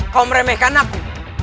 kau meremehkan aku